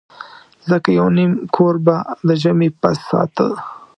ځکه یو نیم کور به د ژمي پس ساته.